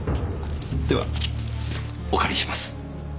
ではお借りします。